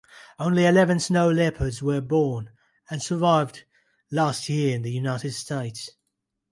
Only eleven snow leopards were born and survived last year in the United States.